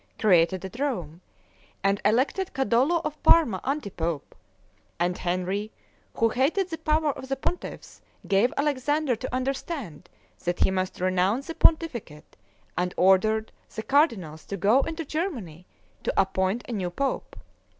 created at Rome, and elected Cadolo of Parma anti pope; and Henry, who hated the power of the pontiffs, gave Alexander to understand that he must renounce the pontificate, and ordered the cardinals to go into Germany to appoint a new pope.